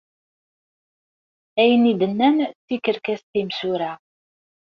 Ayen ay d-nnan d tikerkas timsura.